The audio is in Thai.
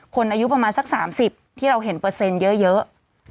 อายุประมาณสัก๓๐ที่เราเห็นเปอร์เซ็นต์เยอะ